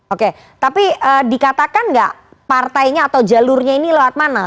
oke tapi dikatakan nggak partainya atau jalurnya ini lewat mana